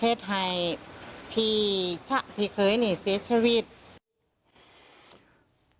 เพศไทยพีชะพิเคยนี่เสียชีวิต